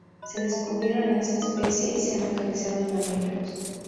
Se descubrieron en esta especie y se han localizado en mamíferos.